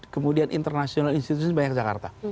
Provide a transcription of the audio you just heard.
kemudian international institution banyak jakarta